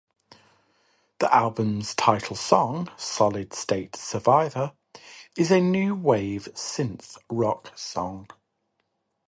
The album's title song "Solid State Survivor" is a new wave synth rock song.